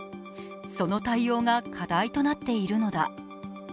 その対応が課題となっているのだ。